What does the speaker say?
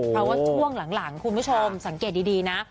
เพราะว่าช่วงหลังคุณผู้ชมสังเกตดีนะ